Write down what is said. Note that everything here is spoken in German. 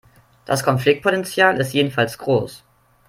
Das Konfliktpotenzial ist jedenfalls groß.